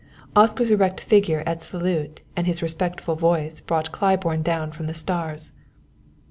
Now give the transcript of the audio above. Oscar's erect figure at salute and his respectful voice brought Claiborne down from the stars.